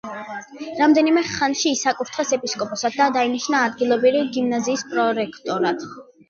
რამდენიმე ხანში ის აკურთხეს ეპისკოპოსად და დაინიშნა ადგილობრივი გიმნაზიის პრორექტორად.